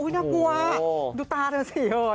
น่ากลัวดูตาเธอสิ